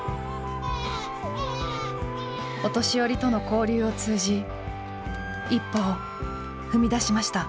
お年寄りとの交流を通じ一歩を踏み出しました。